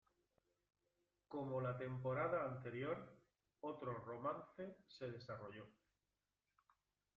Como la temporada anterior, otro romance se desarrolló.